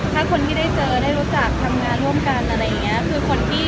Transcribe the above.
ถ้าคนที่ได้เจอได้รู้จักทำงานร่วมกันอะไรอย่างนี้คือคนที่